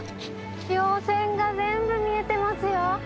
稜線が全部見えてますよ。